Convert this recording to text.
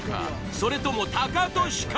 それともタカトシか？